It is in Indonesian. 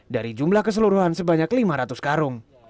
dari jumlah keseluruhan sebanyak lima ratus karung